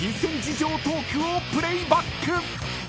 ［トークをプレーバック］